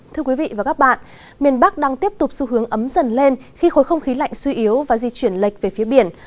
thưa quý vị và các bạn miền bắc đang tiếp tục xu hướng ấm dần lên khi khối không khí lạnh suy yếu và di chuyển lệch về phía biển